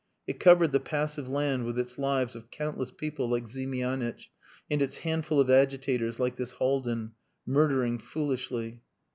It covered the passive land with its lives of countless people like Ziemianitch and its handful of agitators like this Haldin murdering foolishly.